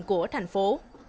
của thành phố